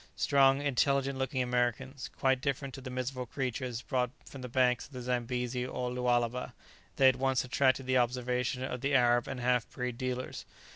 Strong, intelligent looking Americans, quite different to the miserable creatures brought from the banks of the Zambesi and Lualaba, they at once attracted the observation of the Arab and half breed dealers.